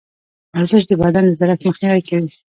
ورزش د بدن د زړښت مخنیوی کوي.